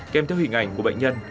kèm theo hình ảnh của bệnh nhân